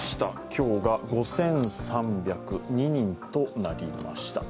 今日が５３０２人となりました。